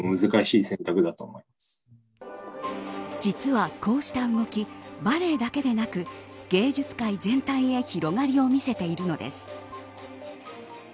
実は、こうした動きバレエだけでなく芸術界全体へ広がりを見せているのです。